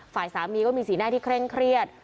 ฝ่ายสามีก็มีสีหน้าที่เคร่งเครียด